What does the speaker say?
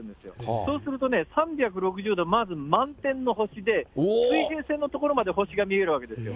そうするとね、３６０度まず満天の星で、水平線の所まで星が見えるわけですよ。